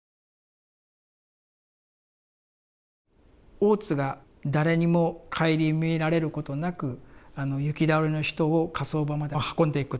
大津が誰にも顧みられることなくあの行き倒れの人を火葬場まで運んでいくって。